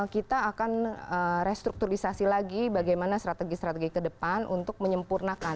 kita akan restrukturisasi lagi bagaimana strategi strategi ke depan untuk menyempurnakan